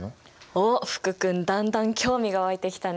おっ福君だんだん興味が湧いてきたね。